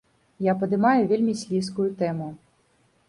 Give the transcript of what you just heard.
Я падымаю вельмі слізкую тэму.